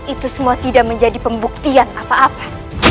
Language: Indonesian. itu semua tidak menjadi pembuktian apa apa